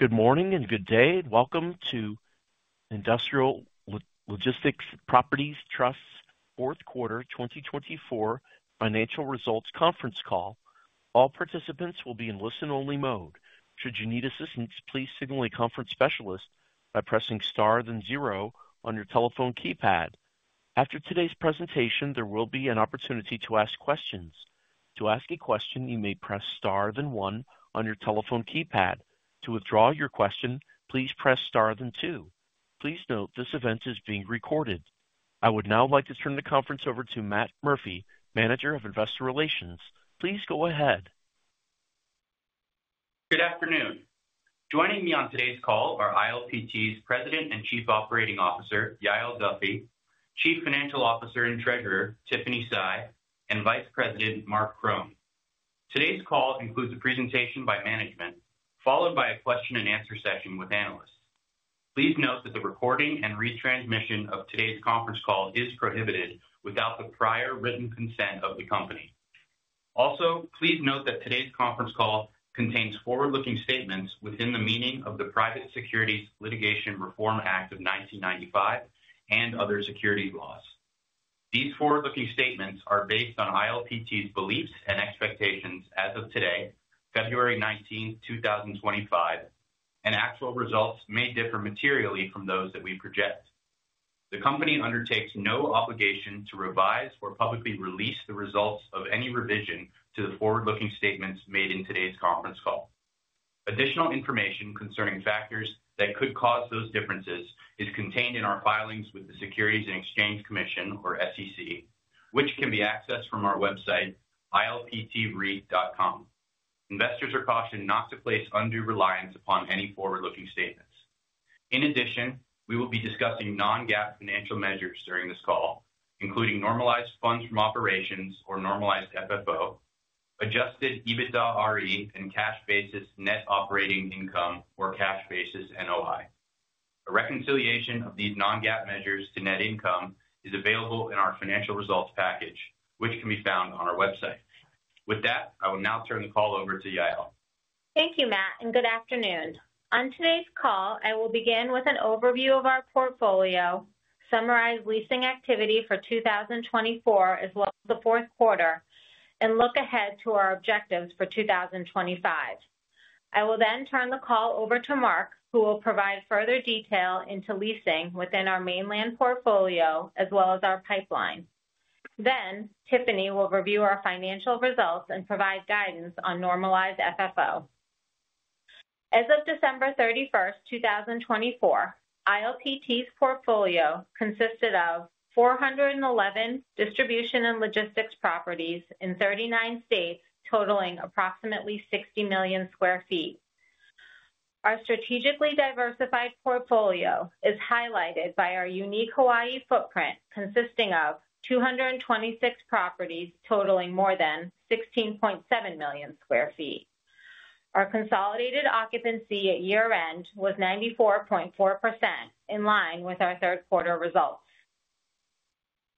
Good morning and good day, and welcome to Industrial Logistics Properties Trust's Fourth Quarter 2024 Financial Results Conference Call. All participants will be in listen-only mode. Should you need assistance, please signal a conference specialist by pressing star then zero on your telephone keypad. After today's presentation, there will be an opportunity to ask questions. To ask a question, you may press star then one on your telephone keypad. To withdraw your question, please press star then two. Please note this event is being recorded. I would now like to turn the conference over to Matt Murphy, Manager of Investor Relations. Please go ahead. Good afternoon. Joining me on today's call are ILPT's President and Chief Operating Officer, Yael Duffy, Chief Financial Officer and Treasurer, Tiffany Sy, and Vice President, Mark Krohn. Today's call includes a presentation by management, followed by a question-and-answer session with analysts. Please note that the recording and retransmission of today's conference call is prohibited without the prior written consent of the company. Also, please note that today's conference call contains forward-looking statements within the meaning of the Private Securities Litigation Reform Act of 1995 and other securities laws. These forward-looking statements are based on ILPT's beliefs and expectations as of today, February 19, 2025, and actual results may differ materially from those that we project. The company undertakes no obligation to revise or publicly release the results of any revision to the forward-looking statements made in today's conference call. Additional information concerning factors that could cause those differences is contained in our filings with the Securities and Exchange Commission, or SEC, which can be accessed from our website, ilptreit.com. Investors are cautioned not to place undue reliance upon any forward-looking statements. In addition, we will be discussing non-GAAP financial measures during this call, including normalized funds from operations or Normalized FFO, Adjusted EBITDAre, and cash basis net operating income or Cash Basis NOI. A reconciliation of these non-GAAP measures to net income is available in our financial results package, which can be found on our website. With that, I will now turn the call over to Yael. Thank you, Matt, and good afternoon. On today's call, I will begin with an overview of our portfolio, summarize leasing activity for 2024 as well as the fourth quarter, and look ahead to our objectives for 2025. I will then turn the call over to Mark, who will provide further detail into leasing within our mainland portfolio as well as our pipeline. Then, Tiffany will review our financial results and provide guidance on normalized FFO. As of December 31, 2024, ILPT's portfolio consisted of 411 distribution and logistics properties in 39 states, totaling approximately 60 million sq ft. Our strategically diversified portfolio is highlighted by our unique Hawaii footprint, consisting of 226 properties totaling more than 16.7 million sq ft. Our consolidated occupancy at year-end was 94.4%, in line with our third quarter results.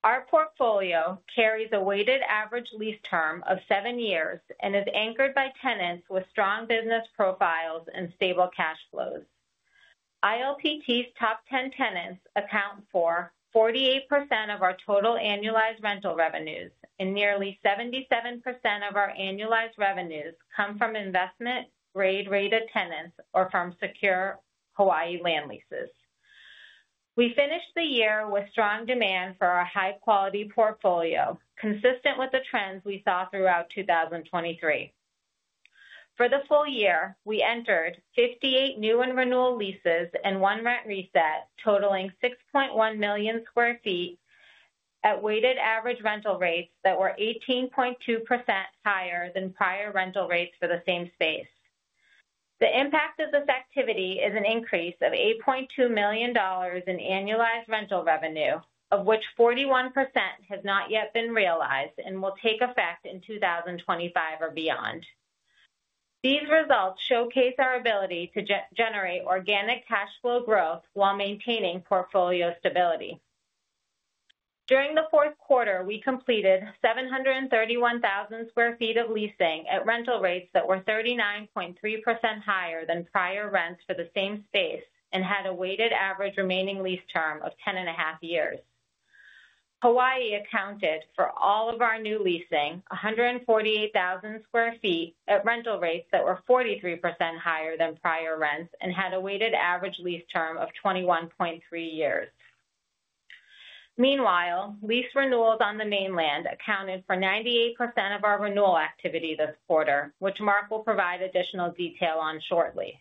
Our portfolio carries a weighted average lease term of seven years and is anchored by tenants with strong business profiles and stable cash flows. ILPT's top 10 tenants account for 48% of our total annualized rental revenues, and nearly 77% of our annualized revenues come from investment-grade rated tenants or from secure Hawaii land leases. We finished the year with strong demand for our high-quality portfolio, consistent with the trends we saw throughout 2023. For the full year, we entered 58 new and renewal leases and one rent reset, totaling 6.1 million sq ft at weighted average rental rates that were 18.2% higher than prior rental rates for the same space. The impact of this activity is an increase of $8.2 million in annualized rental revenue, of which 41% has not yet been realized and will take effect in 2025 or beyond. These results showcase our ability to generate organic cash flow growth while maintaining portfolio stability. During the fourth quarter, we completed 731,000 sq ft of leasing at rental rates that were 39.3% higher than prior rents for the same space and had a weighted average remaining lease term of 10.5 years. Hawaii accounted for all of our new leasing, 148,000 sq ft at rental rates that were 43% higher than prior rents and had a weighted average lease term of 21.3 years. Meanwhile, lease renewals on the mainland accounted for 98% of our renewal activity this quarter, which Mark will provide additional detail on shortly.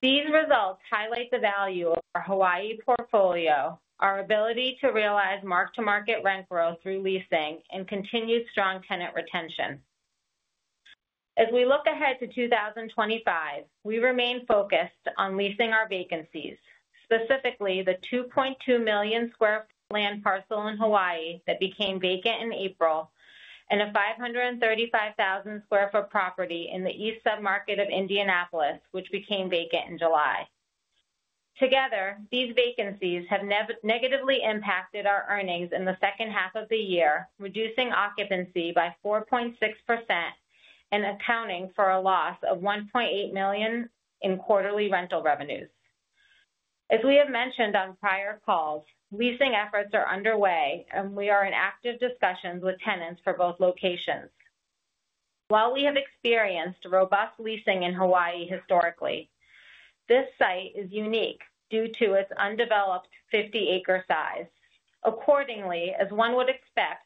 These results highlight the value of our Hawaii portfolio, our ability to realize mark-to-market rent growth through leasing, and continued strong tenant retention. As we look ahead to 2025, we remain focused on leasing our vacancies, specifically the 2.2 million sq ft land parcel in Hawaii that became vacant in April, and a 535,000 sq ft property in the east submarket of Indianapolis, which became vacant in July. Together, these vacancies have negatively impacted our earnings in the second half of the year, reducing occupancy by 4.6% and accounting for a loss of $1.8 million in quarterly rental revenues. As we have mentioned on prior calls, leasing efforts are underway, and we are in active discussions with tenants for both locations. While we have experienced robust leasing in Hawaii historically, this site is unique due to its undeveloped 50-acre size. Accordingly, as one would expect,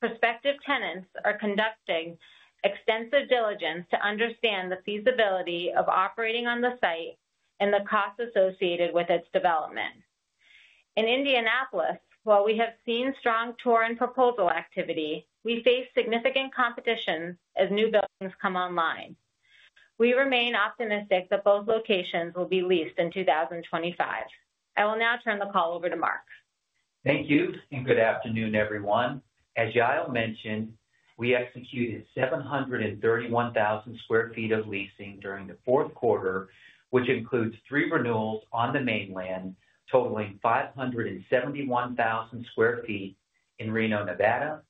prospective tenants are conducting extensive diligence to understand the feasibility of operating on the site and the costs associated with its development. In Indianapolis, while we have seen strong tour and proposal activity, we face significant competition as new buildings come online. We remain optimistic that both locations will be leased in 2025. I will now turn the call over to Mark. Thank you, and good afternoon, everyone. As Yael mentioned, we executed 731,000 sq ft of leasing during the fourth quarter, which includes three renewals on the mainland totaling 571,000 sq ft in Reno, Nevada,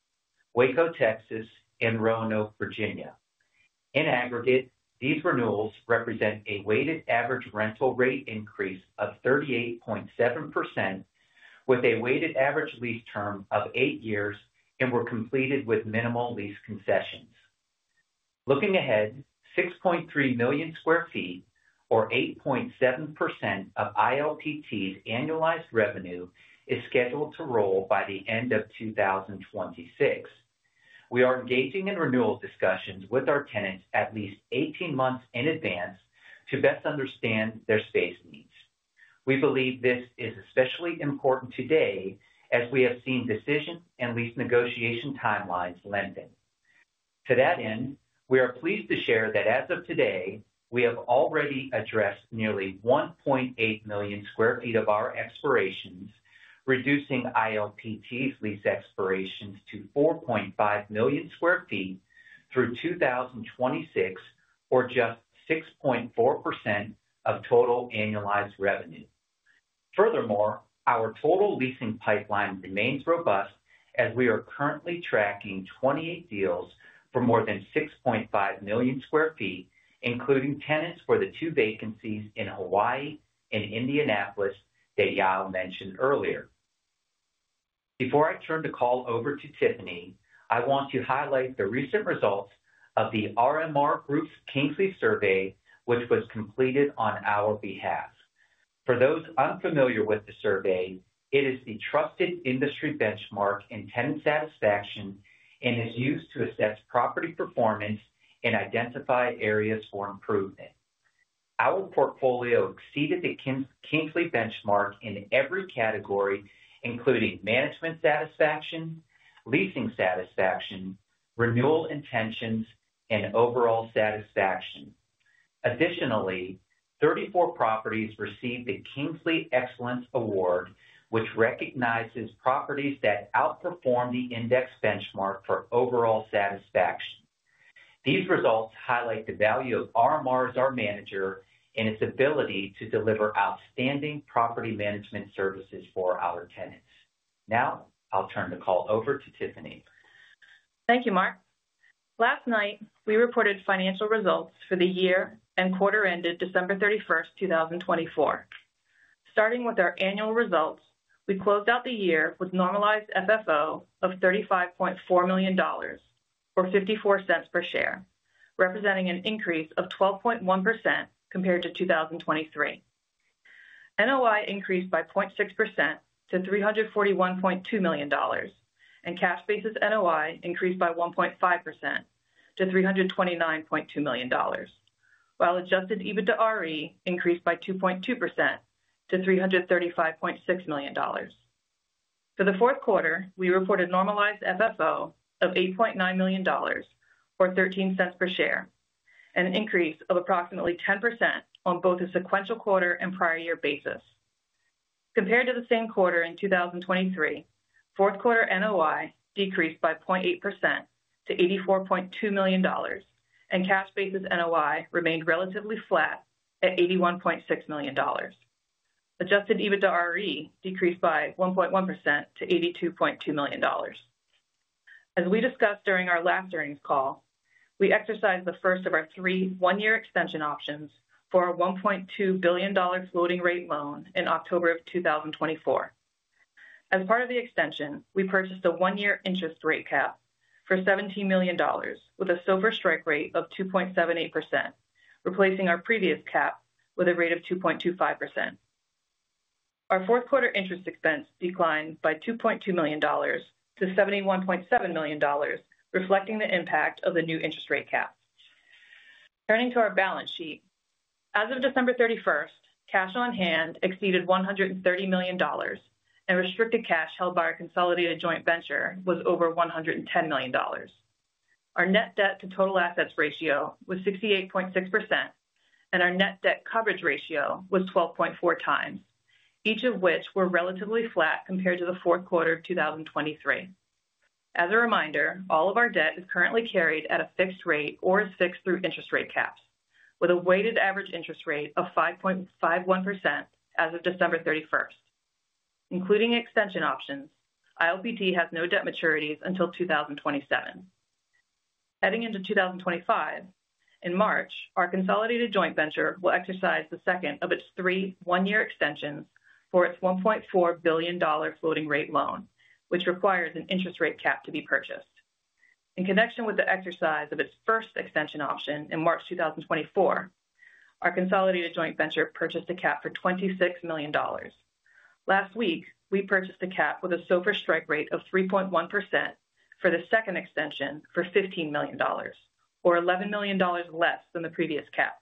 Waco, Texas, and Roanoke, Virginia. In aggregate, these renewals represent a weighted average rental rate increase of 38.7%, with a weighted average lease term of eight years, and were completed with minimal lease concessions. Looking ahead, 6.3 million sq ft, or 8.7% of ILPT's annualized revenue, is scheduled to roll by the end of 2026. We are engaging in renewal discussions with our tenants at least 18 months in advance to best understand their space needs. We believe this is especially important today as we have seen decision and lease negotiation timelines lengthen. To that end, we are pleased to share that as of today, we have already addressed nearly 1.8 million sq ft of our expirations, reducing ILPT's lease expirations to 4.5 million sq ft through 2026, or just 6.4% of total annualized revenue. Furthermore, our total leasing pipeline remains robust as we are currently tracking 28 deals for more than 6.5 million sq ft, including tenants for the two vacancies in Hawaii and Indianapolis that Yael mentioned earlier. Before I turn the call over to Tiffany, I want to highlight the recent results of the RMR Group's Kingsley Survey, which was completed on our behalf. For those unfamiliar with the survey, it is the trusted industry benchmark in tenant satisfaction and is used to assess property performance and identify areas for improvement. Our portfolio exceeded the Kingsley benchmark in every category, including management satisfaction, leasing satisfaction, renewal intentions, and overall satisfaction. Additionally, 34 properties received the Kingsley Excellence Award, which recognizes properties that outperform the index benchmark for overall satisfaction. These results highlight the value of RMR as our manager and its ability to deliver outstanding property management services for our tenants. Now, I'll turn the call over to Tiffany. Thank you, Mark. Last night, we reported financial results for the year and quarter ended December 31, 2024. Starting with our annual results, we closed out the year with Normalized FFO of $35.4 million, or $0.54 per share, representing an increase of 12.1% compared to 2023. NOI increased by 0.6% to $341.2 million, and Cash Basis NOI increased by 1.5% to $329.2 million, while Adjusted EBITDAre increased by 2.2% to $335.6 million. For the fourth quarter, we reported Normalized FFO of $8.9 million, or $0.13 per share, and an increase of approximately 10% on both a sequential quarter and prior year basis. Compared to the same quarter in 2023, fourth quarter NOI decreased by 0.8% to $84.2 million, and Cash Basis NOI remained relatively flat at $81.6 million. Adjusted EBITDAre decreased by 1.1% to $82.2 million. As we discussed during our last earnings call, we exercised the first of our three one-year extension options for a $1.2 billion floating rate loan in October of 2024. As part of the extension, we purchased a one-year interest rate cap for $17 million, with a SOFR strike rate of 2.78%, replacing our previous cap with a rate of 2.25%. Our fourth quarter interest expense declined by $2.2 million to $71.7 million, reflecting the impact of the new interest rate cap. Turning to our balance sheet, as of December 31, cash on hand exceeded $130 million, and restricted cash held by our consolidated joint venture was over $110 million. Our net debt to total assets ratio was 68.6%, and our net debt coverage ratio was 12.4 times, each of which were relatively flat compared to the fourth quarter of 2023. As a reminder, all of our debt is currently carried at a fixed rate or is fixed through interest rate caps, with a weighted average interest rate of 5.51% as of December 31. Including extension options, ILPT has no debt maturities until 2027. Heading into 2025, in March, our consolidated joint venture will exercise the second of its three one-year extensions for its $1.4 billion floating rate loan, which requires an interest rate cap to be purchased. In connection with the exercise of its first extension option in March 2024, our consolidated joint venture purchased a cap for $26 million. Last week, we purchased a cap with a SOFR strike rate of 3.1% for the second extension for $15 million, or $11 million less than the previous cap.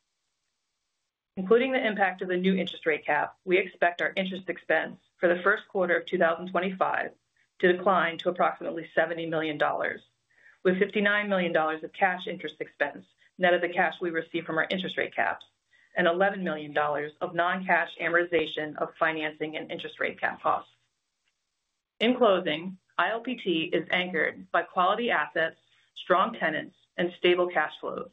Including the impact of the new interest rate cap, we expect our interest expense for the first quarter of 2025 to decline to approximately $70 million, with $59 million of cash interest expense net of the cash we receive from our interest rate caps and $11 million of non-cash amortization of financing and interest rate cap costs. In closing, ILPT is anchored by quality assets, strong tenants, and stable cash flows.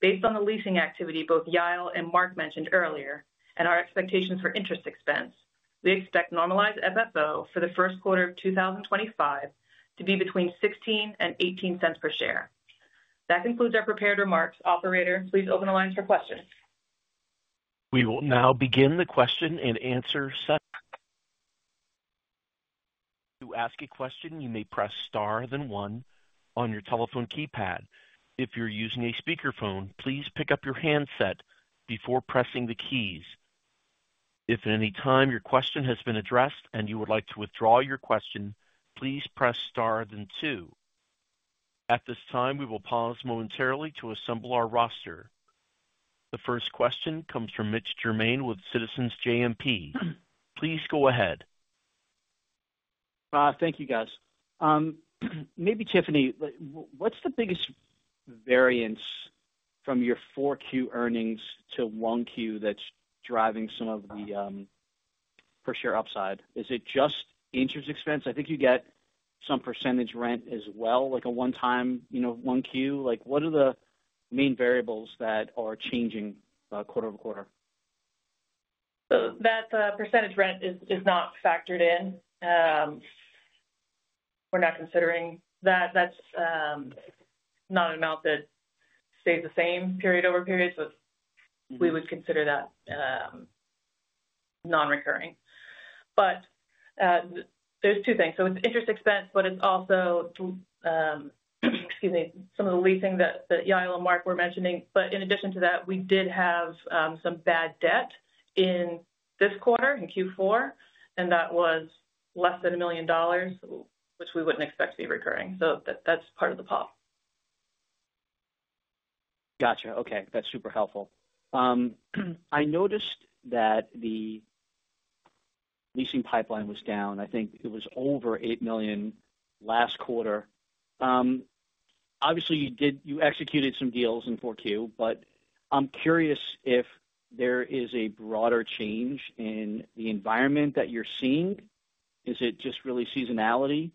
Based on the leasing activity both Yael and Mark mentioned earlier, and our expectations for interest expense, we expect Normalized FFO for the first quarter of 2025 to be between $0.16 and $0.18 per share. That concludes our prepared remarks. Operator, please open the lines for questions. We will now begin the question and answer session. To ask a question, you may press star then one on your telephone keypad. If you're using a speakerphone, please pick up your handset before pressing the keys. If at any time your question has been addressed and you would like to withdraw your question, please press star then two. At this time, we will pause momentarily to assemble our roster. The first question comes from Mitch Germain with Citizens JMP. Please go ahead. Thank you, guys. Maybe Tiffany, what's the biggest variance from your 4Q earnings to 1Q that's driving some of the per share upside? Is it just interest expense? I think you get some percentage rent as well, like a one-time, you know, 1Q. What are the main variables that are changing quarter over quarter? That percentage rent is not factored in. We're not considering that. That's not an amount that stays the same period over period, so we would consider that non-recurring, but there's two things. So it's interest expense, but it's also, excuse me, some of the leasing that Yael and Mark were mentioning. But in addition to that, we did have some bad debt in this quarter, in Q4, and that was less than $1 million, which we wouldn't expect to be recurring. So that's part of the problem. Gotcha. Okay. That's super helpful. I noticed that the leasing pipeline was down. I think it was over $8 million last quarter. Obviously, you did, you executed some deals in 4Q, but I'm curious if there is a broader change in the environment that you're seeing. Is it just really seasonality?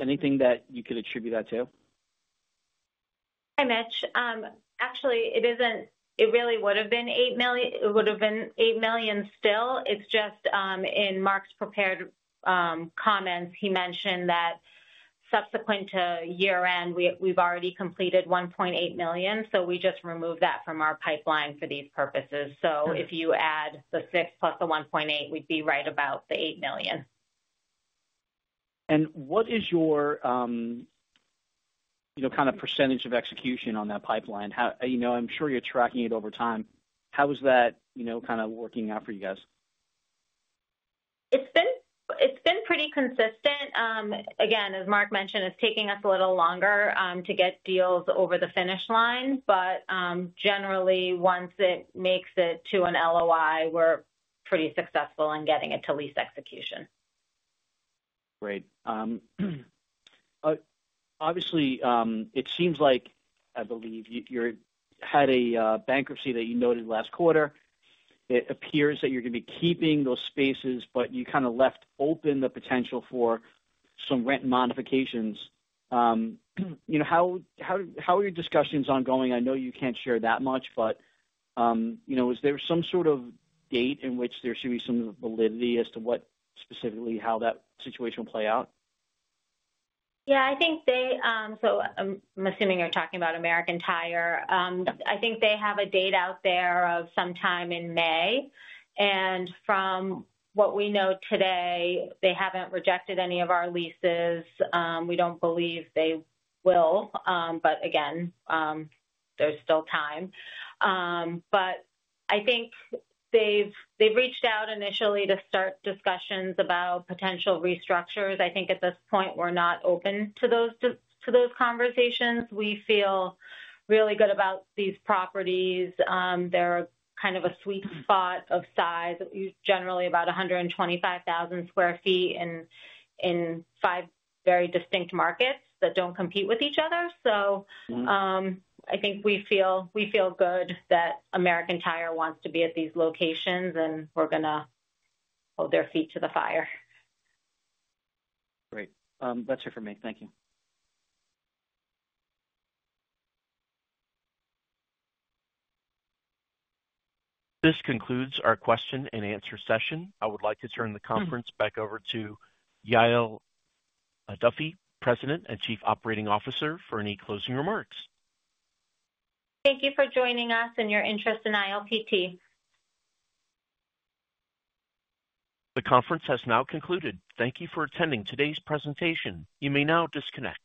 Anything that you could attribute that to? Hi, Mitch. Actually, it isn't. It really would have been $8 million. It would have been $8 million still. It's just in Mark's prepared comments, he mentioned that subsequent to year-end, we've already completed $1.8 million, so we just removed that from our pipeline for these purposes. So if you add the six plus the 1.8, we'd be right about the $8 million. What is your, you know, kind of percentage of execution on that pipeline? How, you know, I'm sure you're tracking it over time. How is that, you know, kind of working out for you guys? It's been pretty consistent. Again, as Mark mentioned, it's taking us a little longer to get deals over the finish line, but generally, once it makes it to an LOI, we're pretty successful in getting it to lease execution. Great. Obviously, it seems like, I believe, you had a bankruptcy that you noted last quarter. It appears that you're going to be keeping those spaces, but you kind of left open the potential for some rent modifications. You know, how, how are your discussions ongoing? I know you can't share that much, but, you know, is there some sort of date in which there should be some validity as to what specifically how that situation will play out? Yeah, I think they, so I'm assuming you're talking about American Tire. I think they have a date out there of sometime in May. And from what we know today, they haven't rejected any of our leases. We don't believe they will, but again, there's still time. But I think they've reached out initially to start discussions about potential restructures. I think at this point, we're not open to those conversations. We feel really good about these properties. They're kind of a sweet spot of size, generally about 125,000 sq ft in five very distinct markets that don't compete with each other. So I think we feel good that American Tire wants to be at these locations, and we're going to hold their feet to the fire. Great. That's it for me. Thank you. This concludes our question and answer session. I would like to turn the conference back over to Yael Duffy, President and Chief Operating Officer, for any closing remarks. Thank you for joining us and your interest in ILPT. The conference has now concluded. Thank you for attending today's presentation. You may now disconnect.